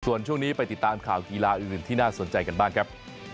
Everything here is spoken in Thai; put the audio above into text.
ส่วนช่วงนี้ไปติดตามข่าวกีฬาอื่นที่น่าสนใจกันบ้างครับ